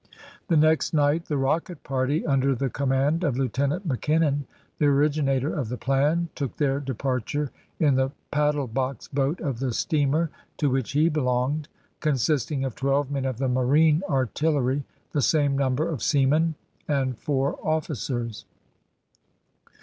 The next night the rocket party, under the command of Lieutenant Mackinnon, the originator of the plan, took their departure in the paddle box boat of the steamer to which he belonged, consisting of twelve men of the marine artillery, the same number of seamen, and four officers.